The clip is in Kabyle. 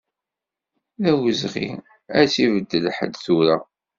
D awezɣi ad tt-ibeddel ḥedd tura.